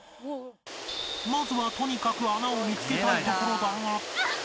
まずはとにかく穴を見つけたいところだが